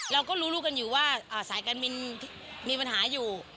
เราก็รู้กันอยู่ว่าสายการบินมีปัญหาอยู่